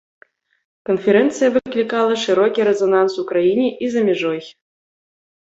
Канферэнцыя выклікала шырокі рэзананс у краіне і за мяжой.